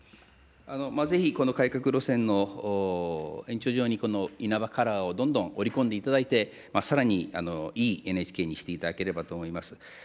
ぜひこの改革路線の延長上にこの稲葉カラーをどんどん織り込んでいただいて、さらにいいＮＨＫにしていただければと思います。